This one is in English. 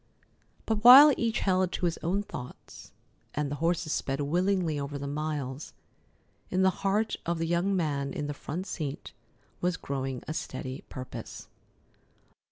But while each held to his own thoughts, and the horses sped willingly over the miles, in the heart of the young man in the front seat was growing a steady purpose.